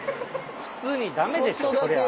普通にダメでしょそりゃ。